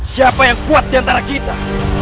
siapa yang kuat di antara kita